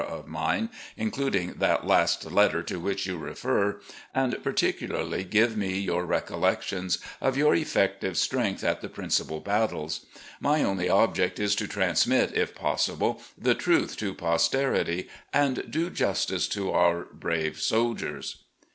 of mine (including that last letter, to which you refer), and particularly give me your recollections of our effective strength at the principal battles? My only object is to transmit, if possible, the truth to posterity, and do justice to otir brave soldiers."